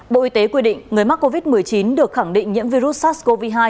bộ y tế quy định người mắc covid một mươi chín được khẳng định nhiễm virus sars cov hai